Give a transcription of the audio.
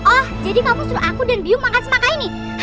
oh jadi kamu suruh aku dan bingung makan semangka ini